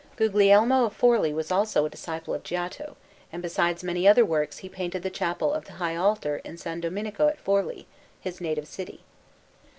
Guglielmo of Forlì was also a disciple of Giotto, and besides many other works he painted the chapel of the high altar in S. Domenico at Forlì, his native city.